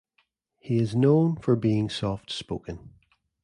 He is known for being soft-spoken.